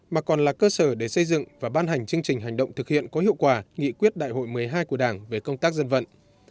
mà còn là cơ sở để xây dựng và ban hành chương trình hành động thực hiện có hiệu quả nghị quyết đại hội một mươi hai của đảng về công tác dân vận